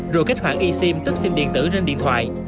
rồi kết hoạt esim tức sim điện tử trên điện thoại